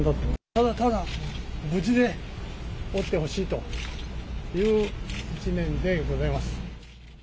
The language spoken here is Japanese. ただただ無事でおってほしいという一念でございます。